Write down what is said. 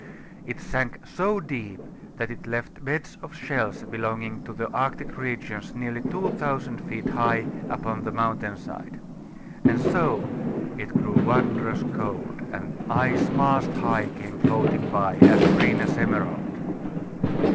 It sank so deep that it left beds of shells belonging to the Arctic regions nearly two thousand feet high upon the mountain side. And so "It grew wondrous cold, And ice mast high came floating by, As green as emerald."